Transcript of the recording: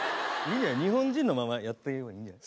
日本人のままやった方がいいんじゃない？